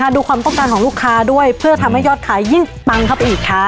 ดูความต้องการของลูกค้าด้วยเพื่อทำให้ยอดขายยิ่งปังเข้าไปอีกค่ะ